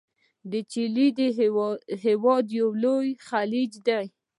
د چیلي د هیواد لوی خلیج دی.